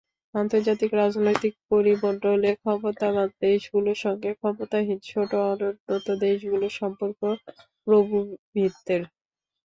আন্তর্জাতিক রাজনৈতিক পরিমণ্ডলে ক্ষমতাবান দেশগুলোর সঙ্গে ক্ষমতাহীন ছোট অনুন্নত দেশগুলোর সম্পর্ক প্রভু-ভৃত্যের।